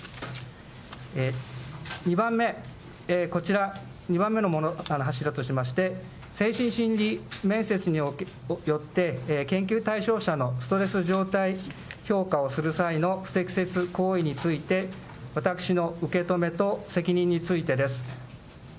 ２番目、こちら、２番目の柱としまして、精神心理面接によって、研究対象者のストレス状態評価をする際の不適切行為について、私の受け止めと責任についてです。